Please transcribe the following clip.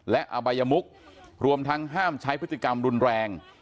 และอบายมุกรวมทั้งห้ามใช้พฤติกรรมรุนแรง